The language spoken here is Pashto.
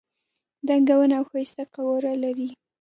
دنګه ونه او ښایسته قواره لري.